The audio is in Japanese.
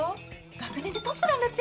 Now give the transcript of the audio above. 学年でトップなんだって？